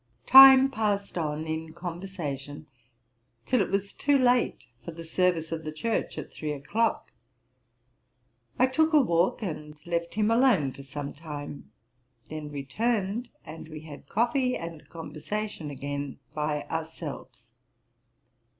Time passed on in conversation till it was too late for the service of the church at three o'clock. I took a walk, and left him alone for some time; then returned, and we had coffee and conversation again by ourselves.